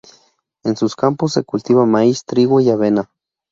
En sus campos se cultiva maíz, trigo y avena.